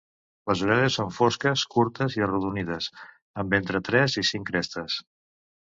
Les orelles són fosques, curtes i arrodonides, amb entre tres i cinc crestes.